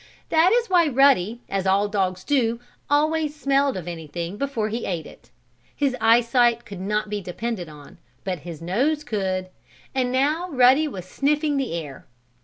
That is why Ruddy, as all dogs do, always smelled of anything before he ate it. His eyesight could not be depended on, but his nose could. And now Ruddy was sniffing the air.